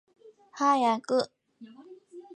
早く